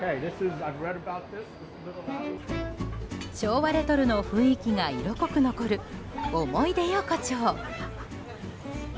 昭和レトロの雰囲気が色濃く残る思い出横丁。